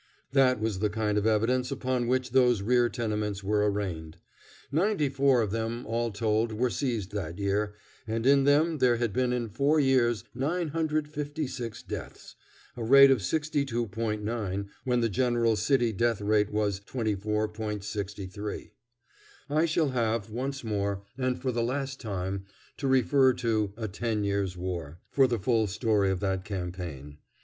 That was the kind of evidence upon which those rear tenements were arraigned. Ninety four of them, all told, were seized that year, and in them there had been in four years 956 deaths a rate of 62.9 when the general city death rate was 24.63. I shall have once more, and for the last time, to refer to "A Ten Years' War" for the full story of that campaign.